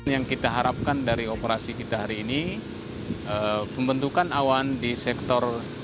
yang kita harapkan dari operasi kita hari ini pembentukan awan di sektor